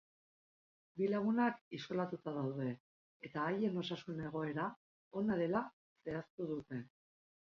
Bi lagunak isolatuta daude eta haien osasun egoera ona dela zehaztu dute.